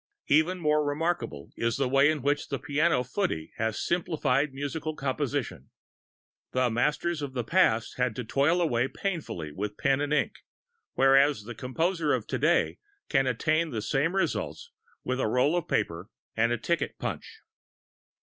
Even more remarkable is the way in which the piano footy has simplified musical composition. The masters of the past had to toil away painfully with pen and ink; whereas the composer of today can attain the same results with a roll of paper and a ticket punch.